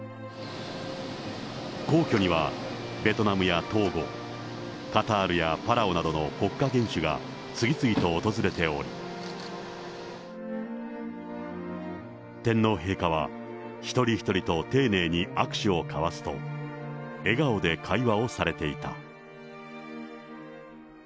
皇居にはベトナムやトーゴ、カタールやパラオなどの国家元首が次々と訪れており、天皇陛下は、一人一人と丁寧に握手を交わすと、笑顔で会話をされていた。